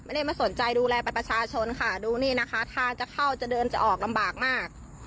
ไม่ได้มาสนใจดูแลประชาชนค่ะดูนี่นะคะทางจะเข้าจะเดินจะออกลำบากมาก